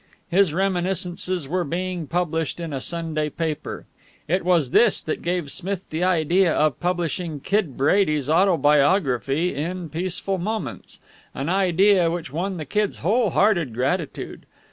His reminiscences were being published in a Sunday paper. It was this that gave Smith the idea of publishing Kid Brady's autobiography in Peaceful Moments, an idea which won the Kid's whole hearted gratitude.